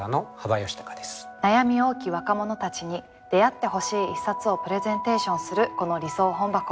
悩み多き若者たちに出会ってほしい一冊をプレゼンテーションするこの「理想本箱」。